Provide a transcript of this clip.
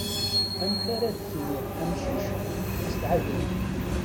Amek ara d-tiniḍ amcic s tɛebrit?